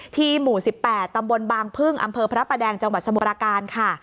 หมู่๑๘ตำบลบางพึ่งอำเภอพระประแดงจังหวัดสมุทรการค่ะ